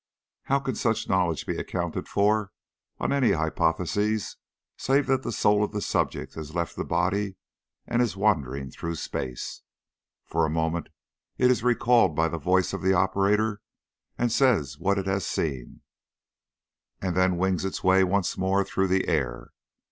How can such knowledge be accounted for on any hypothesis save that the soul of the subject has left the body and is wandering through space? For a moment it is recalled by the voice of the operator and says what it has seen, and then wings its way once more through the air.